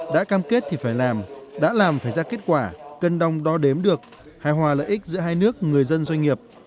đã cam kết thì phải làm đã làm phải ra kết quả cân đong đo đếm được hài hòa lợi ích giữa hai nước người dân doanh nghiệp